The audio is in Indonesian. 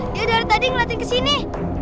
dia dari tadi ngeliatin kesini